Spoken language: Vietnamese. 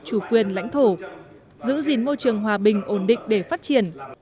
chủ quyền lãnh thổ giữ gìn môi trường hòa bình ổn định để phát triển